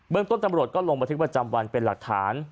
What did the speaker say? เมืองต้นตำรวจก็ลงบันทึกประจำวันเป็นหลักฐาน